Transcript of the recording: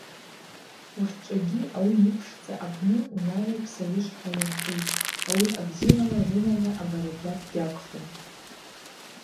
Уахьчӏвагьи ауи йыпшцӏа апны унагӏва псауышвхӏа йырхӏитӏ, ауи абзирала рунагӏва абаракьат гьагхум.